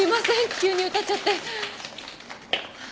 急に歌っちゃって。